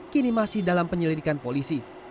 kini masih dalam penyelidikan polisi